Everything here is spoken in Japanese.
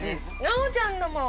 ナオちゃんのも。